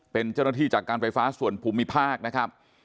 เป็นเจ้าหน้าที่จากการไฟฟ้าส่วนภูมิภาคนะครับ